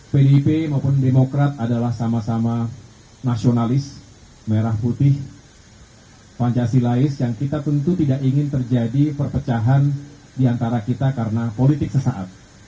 pdip maupun demokrat adalah sama sama nasionalis merah putih pancasilais yang kita tentu tidak ingin terjadi perpecahan diantara kita karena politik sesaat